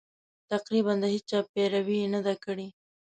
تقریباً د هېچا پیروي یې نه ده کړې.